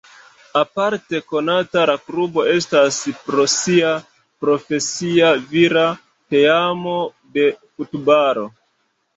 Aparte konata la klubo estas pro sia profesia vira teamo de futbalo.